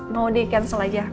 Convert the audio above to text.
mau di cancel aja